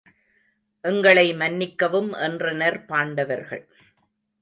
எங்களை மன்னிக்கவும் என்றனர் பாண்டவர்கள்.